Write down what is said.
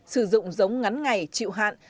sử dụng giống ngắn ngày chịu hạn